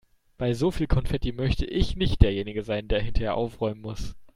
Bei so viel Konfetti möchte ich nicht derjenige sein, der hinterher aufräumen muss.